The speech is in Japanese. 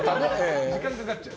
時間がかかっちゃう。